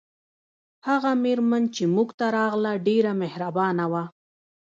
هغه میرمن چې موږ ته راغله ډیره مهربانه وه